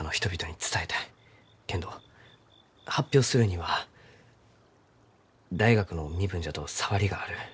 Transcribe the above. けんど発表するには大学の身分じゃと障りがある。